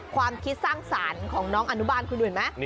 ความคิดสร้างสรรค์ของน้องอนุบาลคุณเห็นไหม